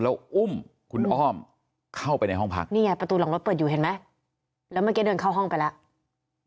แล้วอุ้มคุณอ้อมเข้าไปในห้องพักนี่ไงประตูหลังรถเปิดอยู่เห็นไหมแล้วเมื่อกี้เดินเข้าห้องไปแล้ว